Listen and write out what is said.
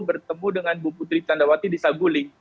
bertemu dengan bu putri tandawati di sabuling